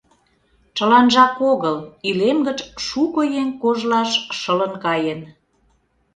Чыланжак огыл, илем гыч шуко еҥ кожлаш шылын каен.